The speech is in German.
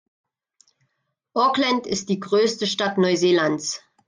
Auckland ist die größte Stadt Neuseelands.